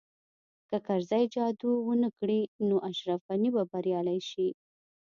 که کرزی جادو ونه کړي نو اشرف غني به بریالی شي